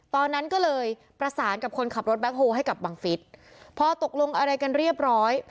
ตอนนั้นก็เลยประสานกับคนขับรถแบ็คโฮให้กับบังฟิศพอตกลงอะไรกันเรียบร้อย